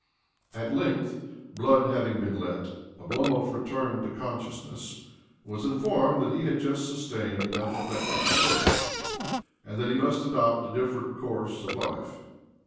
At length, blood having been let, Oblomov returned to consciousness, and was informed that he had just sustained an apoplectic stroke, and that he must adopt a different course of life.